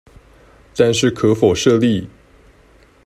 但是可否設立